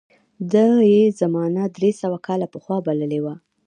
ده یې زمانه درې سوه کاله پخوا بللې وه.